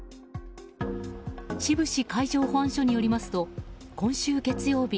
志布志海上保安署によりますと今週月曜日